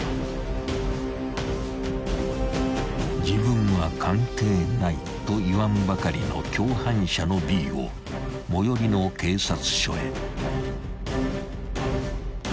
［自分は関係ないと言わんばかりの共犯者のＢを最寄りの警察署へ］